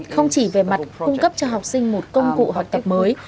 không chỉ về mặt cung cấp cho học sinh một công cụ học tập mới